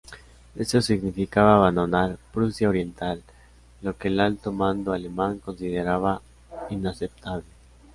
Esto significaba abandonar Prusia Oriental, lo que el Alto Mando alemán consideraba inaceptable.